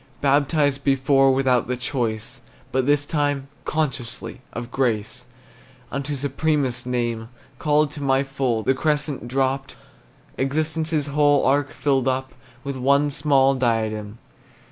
Baptized before without the choice, But this time consciously, of grace Unto supremest name, Called to my full, the crescent dropped, Existence's whole arc filled up With one small diadem.